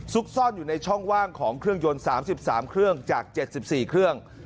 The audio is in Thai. ซ่อนอยู่ในช่องว่างของเครื่องยนต์๓๓เครื่องจาก๗๔เครื่อง